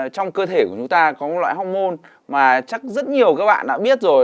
trong cơ thể của chúng ta có một loại hormôn mà chắc rất nhiều các bạn đã biết rồi